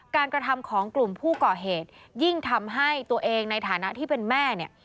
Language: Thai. กระทำของกลุ่มผู้ก่อเหตุยิ่งทำให้ตัวเองในฐานะที่เป็นแม่เนี่ย